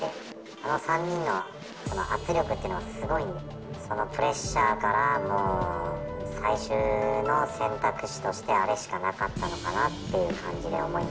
あの３人の圧力っていうのはすごいので、そのプレッシャーから、最終の選択肢としてあれしかなかったのかなっていう感じで思い